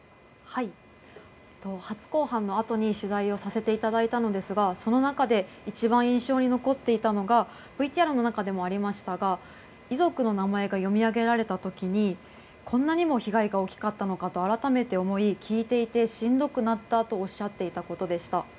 初公判のあとに取材をさせていただいたのですがその中で一番印象に残っていたのがＶＴＲの中でもありましたが遺族の名前が読み上げられた時にこんなにも被害が大きかったのかと改めて思い聞いていてしんどくなったとおっしゃっていたことでした。